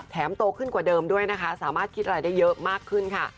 โตขึ้นกว่าเดิมด้วยนะคะสามารถคิดอะไรได้เยอะมากขึ้นค่ะ